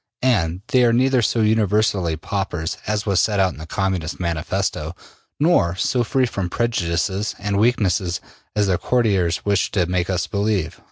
And they are neither so universally paupers as was set out in the Communist Manifesto, nor so free from prejudices and weaknesses as their courtiers wish to make us believe.''